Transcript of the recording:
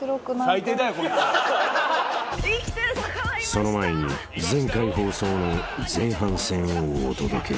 ［その前に前回放送の前半戦をお届けします］